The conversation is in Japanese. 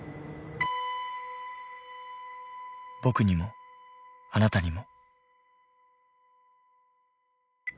僕にもあなたにも。